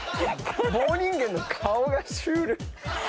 棒人間の顔がシュール。